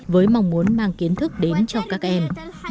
với mong muốn mang kiến thức đến cho các em